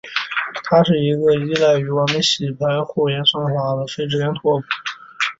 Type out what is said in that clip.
它是一个依赖于完美洗牌互联算法的非直连拓扑。